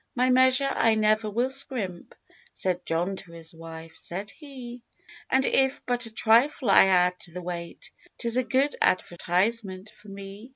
"My measure I never will scrimp," Said John to his wife, said he— "And if but a trifle I add to the weight 'Tis a good advertisement for me."